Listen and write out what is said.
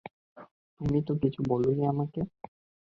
তুমি তো কিছু বলোনি আমাকে!